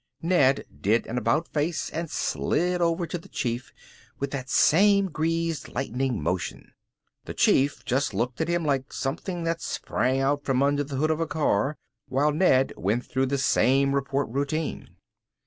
Ned did an about face and slid over to the Chief with that same greased lightning motion. The Chief just looked at him like something that sprang out from under the hood of a car, while Ned went through the same report routine.